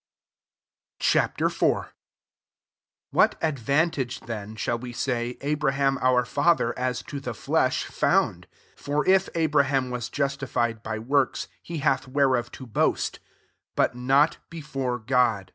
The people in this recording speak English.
IV. 1 What advantage then, shall we say, Abraham, our father as to the flesh, found? 2 For if Abraham was justified by works he hath whereof to boast:" " but not before God.